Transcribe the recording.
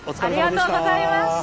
ありがとうございます。